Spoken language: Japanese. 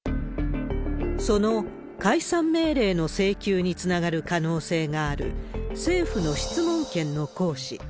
その解散命令の請求につながる可能性がある、政府の質問権の行使。